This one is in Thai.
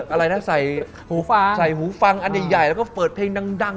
อะไรนะใส่หูฟังอันใหญ่แล้วก็เปิดเพลงดัง